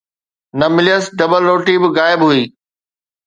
نه مليس، ڊبل روٽي به غائب هئي.